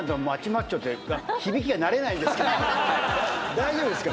大丈夫ですか？